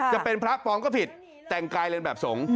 จะเป็นพระปลอมก็ผิดแต่งกายเรียนแบบสงฆ์